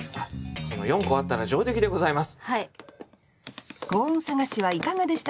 ４個あったら上出来でございます。